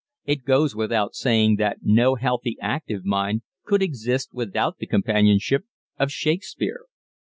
_ It goes without saying that no healthy, active mind could exist without the companionship of Shakespeare.